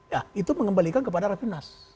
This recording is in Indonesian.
ya itu mengembalikan kepada rapimnas